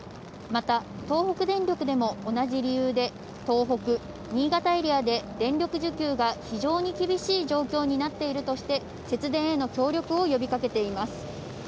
また東北電力でも同じ理由で東北・新潟エリアで電力需給が非常に厳しい状況になっているとして、節電への協力を呼びかけています。